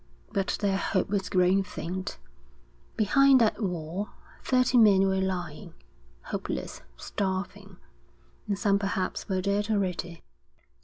But their hope was growing faint. Behind that wall thirty men were lying, hopeless, starving; and some perhaps were dead already.